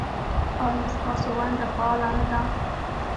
ایا ستاسو ونډه فعاله نه ده؟